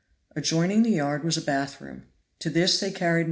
Adjoining the yard was a bath room; to this they carried No.